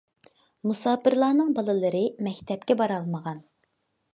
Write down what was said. مۇساپىرلارنىڭ بالىلىرى مەكتەپكە بارالمىغان.